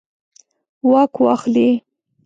واک واخلي.